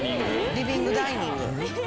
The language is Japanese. リビングダイニング。